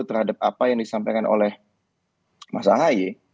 terhadap apa yang disampaikan oleh masa ahy